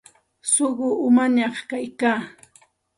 Suqu umañaq kayka.